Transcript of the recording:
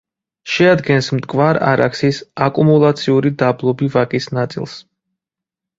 შეადგენს მტკვარ-არაქსის აკუმულაციური დაბლობი ვაკის ნაწილს.